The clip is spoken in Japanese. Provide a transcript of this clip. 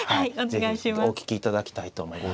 是非お聞きいただきたいと思います。